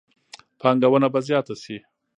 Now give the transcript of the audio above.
پانګونه به زیاته شي.